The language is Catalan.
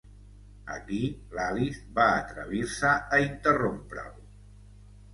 Aquí l'Alice va atrevir-se a interrompre'l.